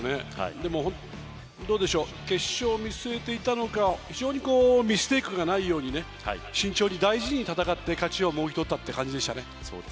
でも、決勝を見据えていたのか非常にミステイクがないように慎重に大事に戦って勝ちをもぎ取ったって感じでした。